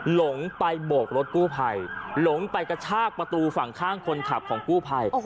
หลงไปโบกรถกู้ภัยหลงไปกระชากประตูฝั่งข้างคนขับของกู้ภัย